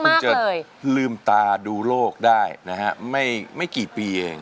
คุณจะลืมตาดูโลกได้นะฮะไม่กี่ปีเอง